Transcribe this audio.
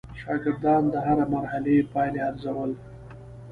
شاګردان د هره مرحله پایلې ارزول.